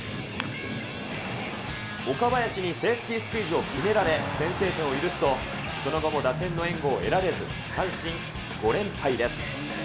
岡林にセーフティースクイズを決められ先制点を許すと、その後も打線の援護を得られず、阪神、５連敗です。